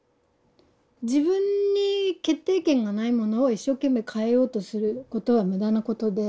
自分に決定権がないものを一生懸命変えようとすることは無駄なことで。